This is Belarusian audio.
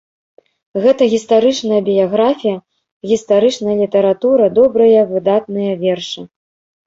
Гэта гістарычная біяграфія, гістарычная літаратура, добрыя выдатныя вершы.